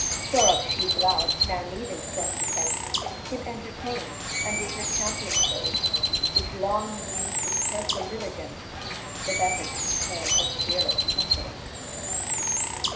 Whereof fhe glad, now needing ftrong defence, Him entertayn'd, and did her champion chofe : Which long he ufd with carefull diligence, The better to confirme her fearleffe confidence, XIII.